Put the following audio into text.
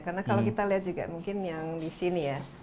karena kalau kita lihat juga mungkin yang di sini ya